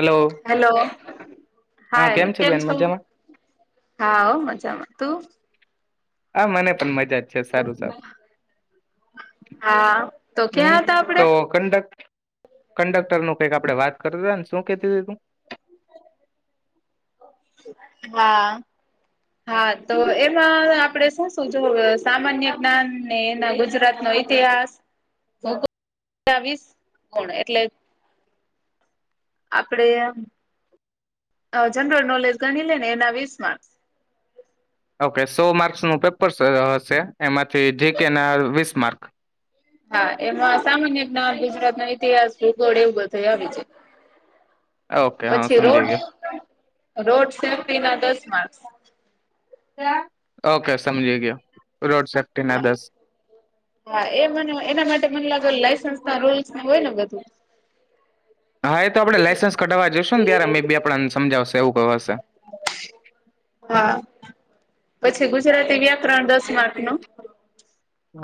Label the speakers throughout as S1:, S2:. S1: Hello
S2: hello
S1: હા
S2: hi
S1: છે
S2: કેમ
S1: બેન
S2: છો?
S1: મજામાં
S2: હા હો મજામાં તું?
S1: હા મને પણ મજા જ છે સારું સારું
S2: હા તો
S1: હમ
S2: ક્યાં હતા આપડે
S1: તો કંડક કંડક્ટર નો કે કા આપડે વાત કરતા હતા ને શું કેતી હતી તું?
S2: હા હા તો એમાં આપણેે શું શું જો સામાન્ય જ્ઞાન ને એના ગુજરાત નો ઇતિહાસ વીસ ગુણ [unintelligible] એટલે આપડે જનરલ નોલેજ ગણી લે ને એના વિસ માર્ક્સ
S1: ઓકે સો માર્ક ન પેપર શે એમાંથી જી કે ના વીસ માર્ક?
S2: હા એમાં સામાન્ય રીતના ગુજરાત ન ઈતિહાસ ભૂગોળ એવું બધું આવી છે.
S1: ઓકે હા સમજી ગયો.
S2: રોડ સેફ્ટી ના દસ માર્કસ.
S1: ઓકે સમજી ગયો. રોડ સેફ્ટી ના
S2: હા
S1: દસ
S2: હા એ મને એના માટે મને લાગ લાઈસન્સ રોલ હોય ને બધું?
S1: હા એ તો આપડે લાસન્સ કઢવા જઈશું ને ત્યારે મે બી આપડાને સમજાવશે એવું ક હશે.
S2: હા પછી ગુજરાતી વ્યાકરણ દસ માર્ક નું.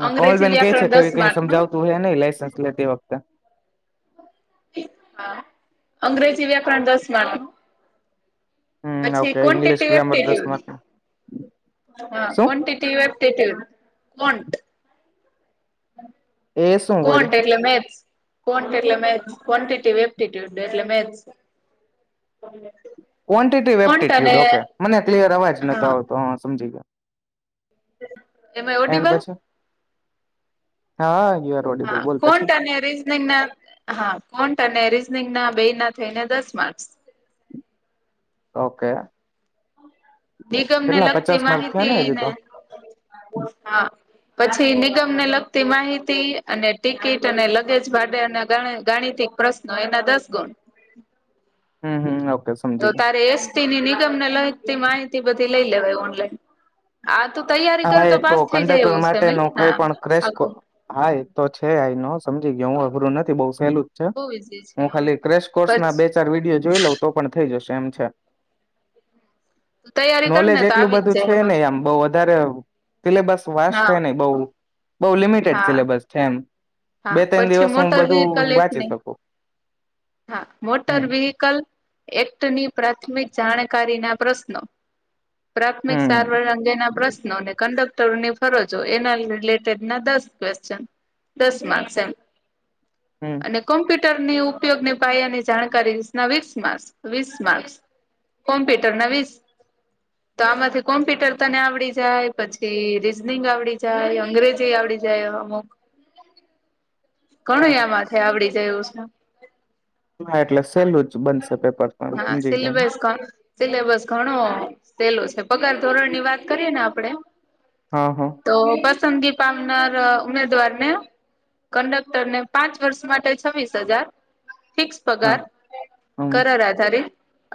S2: અંગ્રેજી
S1: કોમલબેન કે છે
S2: વ્યાકરણ
S1: ક
S2: દસ
S1: કઈ
S2: માર્ક નું
S1: સમજાવતું હોય નઈ લાયસન્સ લે તે વખતે.
S2: હા અંગ્રેજી વ્યાકરણ દસ માર્કનું.
S1: હમ ઓકે ઇંગ્લિશ ગ્રામર દસ
S2: પછી
S1: માર્ક શું
S2: કો [unintelligible]
S1: એ શું
S2: કો
S1: વળી
S2: એટલે મેથ્સ. કો એટલે મેથ ક્વન્ટિટી એપ્ટટ્યુડ એટલે મેથ્સ.
S1: ક્વોન્ટિટી
S2: કોન્ટ અને
S1: વેપ્ટીટ્યુડ ઓકે મને ક્લિયર અવાજ નતો
S2: હા
S1: આવતો હા સમજી ગયો.
S2: એમાં આઈ
S1: એન્ડ
S2: ઓડીબલ?
S1: પછી હા યુ આર ઓડિબલ
S2: હા
S1: બોલ
S2: કોટ
S1: પછી
S2: અને રીઝનિંગ ના હા કોટ અને રીઝનિંગ ના બે ના થઈને દસ માર્ચ.
S1: ઓકે
S2: નિગમ ને
S1: કેટલા
S2: લગતી
S1: પચાસ માર્ક થયા ને હજી
S2: માહિતીને
S1: તો
S2: હ પછી નિગમને લગતી માહિતી અને ટિકિટ અને લગેજ માટે ગણિત પ્રશ્નો એના દસ ગુણ
S1: હમ હમ ઓકે
S2: તો
S1: સમજી ગયો
S2: તારે એસીની નિગમને લખતી માહિતી બધી લઈ લેવા ઓનલાઈન આ તું તૈયારી કર
S1: હા એ તો
S2: પાસ થઈ જાય
S1: કંડક્ટર
S2: એવું છે
S1: માટે ન
S2: મિલે ને
S1: કઈ
S2: આમ
S1: પણ
S2: જો
S1: ક્રેસકો
S2: આખું
S1: હા એ તો છે આનો સમજી ગયો હું અઘરું નથી બઉુ ેલું જ છે
S2: બહુ ઈઝી છે
S1: હું ખાલી ક્રેશ કોર્સ ના બે
S2: પછી
S1: ચાર વિડીયો જોઈ લઉ તો પણ થઈ જશે તેમ છે
S2: તૈયારી કર ને
S1: નોલેજ
S2: તો
S1: એટલું
S2: આવી જ
S1: બધું છે
S2: જાય
S1: નને
S2: એમાં
S1: આમ બઉ વધારે હ સિલેબસ વાસ
S2: હા
S1: છેે નઈ બહુ બઉુ લિમિટેડ
S2: હા
S1: સિલેબસ છે એમ
S2: હા
S1: બે ત્રણ
S2: પછી
S1: દિવસ હું
S2: મોટર વહકલ
S1: બધું
S2: એક
S1: વાંચી
S2: નહી
S1: શકું
S2: હા મોટર
S1: હમ
S2: વહકલ એક્ટની પ્રાથમિક જાણ જાણકારી ના પ્રશ્નો પ્રાથમિક
S1: હમ
S2: સારવાર અંગેના પ્રશ્નોને કંડક ની ફરજો એના રિલેટેડ ના દસ ક્વેશચન દસ માર્ક્સ એમ
S1: હમ
S2: અને કોમ્પ્યુટર કોપટરની ઉપયોગની પાયાની જાણકારી વી ના વીસ માર્સ વીસ માર્સ કોમ્પ્યુટર ના વીસ તો આમાંથી કોમ્પ્યુટર તને આવડી જાય પછી રીઝનિંગ આવડી જાય અંગ્રેજી આવડી જાય અમુક ઘણો
S1: હમ
S2: આમાં છે આવડી જય ઉષ્ણ
S1: હા એટલે સેલું જ બનશે પેપરું
S2: હા
S1: સમજી ગયા હું
S2: સિલેબસ સિલેબસ ઘણો સેલો છે પગાર ધોરણ ની વાત કરીય ને આપડે
S1: હા હા
S2: તો પસંદગી પામનાર ઉમેદવારને કંડક રને પાંચ વર્ષ માટે છવ્વીસ હજાર ફિક્સ
S1: હા
S2: પગાર
S1: હમ
S2: કરાર આધારે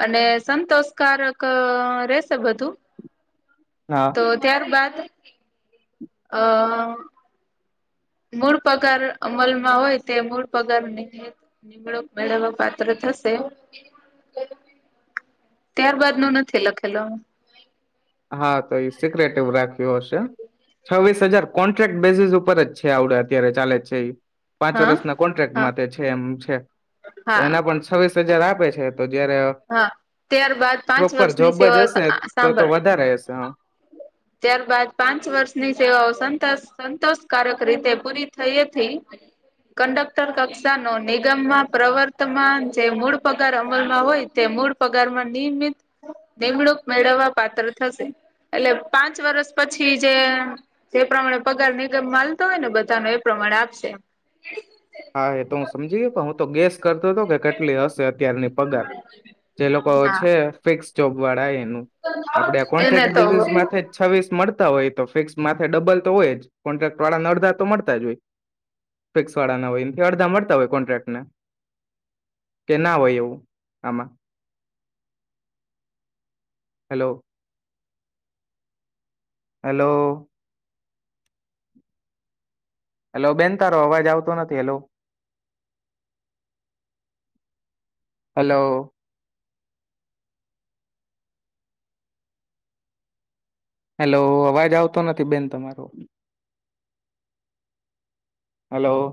S2: અને સંતોષકારક રેશે બધું
S1: હા
S2: તો ત્યારબાદ હ મૂળ પગાર અમલમાં હોય તે મૂળ પગારક મેળવવા પાત્ર થશે ત્યારબાદ ન નથી લખેલો
S1: ક્રએટિવ રાખ હશે છવવીસ હજાર કોન્ટ્રાક્ટ બેસીિસ ઉપર જ છે આવડે અત્યારે ચાલે જ છે એ પાંચ
S2: હા
S1: વર્ષના કોન્ટ્રાક્ટ
S2: હા
S1: માટે છે એમ છે
S2: હા
S1: એના પણ છ્વીસ જરા આપે છે તો જયારે
S2: હા ત્યાર બાાદ પાંચ વર્ષની સેવા સાંભળ
S1: રહે છે હ
S2: ત્યારબાદ પાંચ વર્ષની સેવાઓ સ સંતોષકારક રીતે પૂરી થઈેથી કંડક્ટર કક્ષાનો નિગમમાં પ્રવર્તમાન જે મૂળ પગાર અમલમાં હોય તે મૂળ પગારમાં નિયમિત નિમણૂક મેળવવા પાત્ર થશે એટલે પાંચ વર્ષ પછી જે જે પ્રમાણે પગાર નિગમ માલતો હોય ને બધાનો એ પ્રમાણે આપશે
S1: હા એ તો હું સમજી ગયો પણ હું તો ગેસ કરતો હતો કે કેટલી હશે અત્યારની પગાર જે લોકો છે ફિક્સ ચોપવાડા એ
S2: હા
S1: આપડે
S2: એને
S1: કોન્ટ્રાક્ટ
S2: તો
S1: બેસ છવીસ મળ હોય તો ફિક્સ માથે ડબલ તો હોય જ કોન્ટ્રાક્ટ વાળા અડધા તો મળતા જ હોય ફિક્સ વાળા ના હોય અડધા મળતા હોય કોન્ટ્રાક્ટને કે ના હોય એવું આમાં હલો હેલો હલો બેન તારો અવાજ આવતો નથી હેલો હલો હેલો અવાજ આવતો નથી બેન તમારો હલો